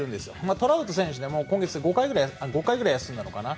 トラウト選手でも、今月５回くらい休んだのかな？